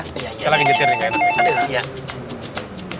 saya lagi getir nih gak enak